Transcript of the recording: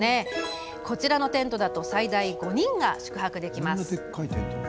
こちらのテントだと最大５人が宿泊できます。